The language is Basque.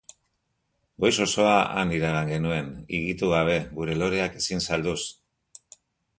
Goiz osoa han iragan genuen, higitu gabe, gure loreak ezin salduz!